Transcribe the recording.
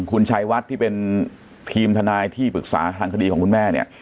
คุณชัยวัดที่เป็นทีมทนายที่ปรึกษาทางคดีของคุณแม่เนี่ย